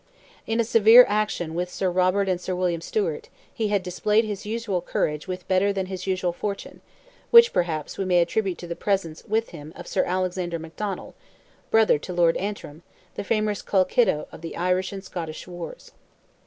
In a severe action with Sir Robert and Sir William Stewart, he had displayed his usual courage with better than his usual fortune, which, perhaps, we may attribute to the presence with him of Sir Alexander McDonnell, brother to Lord Antrim, the famous Colkitto of the Irish and Scottish wars.